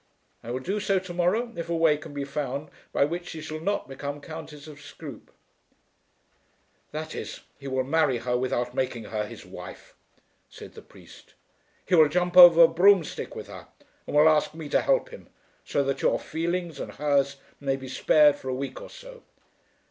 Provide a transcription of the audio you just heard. "I will do so to morrow if a way can be found by which she shall not become Countess of Scroope." "That is, he will marry her without making her his wife," said the priest. "He will jump over a broomstick with her and will ask me to help him, so that your feelings and hers may be spared for a week or so.